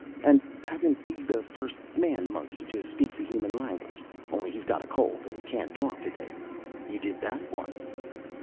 "And have him be the first man monkey to speak the human language, only he's got a cold and can't talk to day? You did that once."